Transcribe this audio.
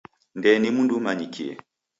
Ndee ni mndu umanyikie.